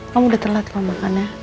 kamu udah telat mau makan ya